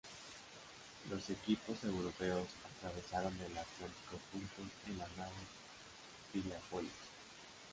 Los equipos europeos atravesaron el Atlántico juntos en la nave ""Piriápolis"".